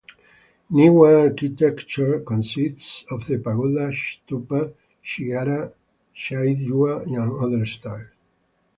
Newa architecture consists of the pagoda, stupa, shikhara, chaitya and other styles.